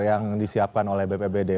yang disiapkan oleh bpbd